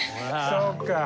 そうか。